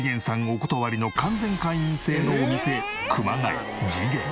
お断りの完全会員制のお店熊谷慈げん。